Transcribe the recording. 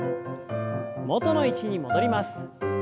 元の位置に戻ります。